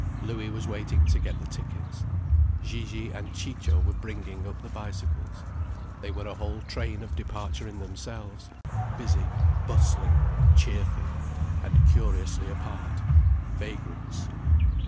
Louis was waiting to get the tickets, Gigi and Ciccio were bringing up the bicycles. They were a whole train of departure in themselves, busy, bustling, cheerful—and curiously apart, vagrants.